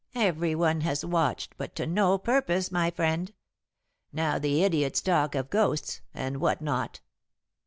Everyone has watched, but to no purpose, my friend. Now the idiots talk of ghosts, and what not."